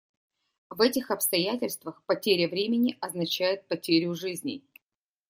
В этих обстоятельствах потеря времени означает потерю жизней.